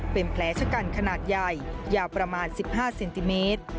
เป็นแผลชะกันขนาดใหญ่ยาวประมาณ๑๕เซนติเมตร